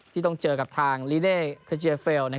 ที่ต้องเจอกับทางลิเนคเคอร์เจเฟล